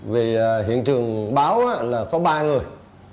vì hiện trường báo là có ba người